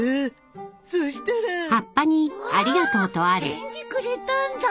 返事くれたんだ。